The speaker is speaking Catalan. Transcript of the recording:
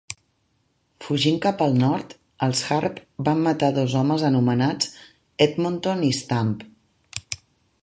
Fugint cap el nord, els Harpe van matar dos homes anomenats Edmonton i Stump.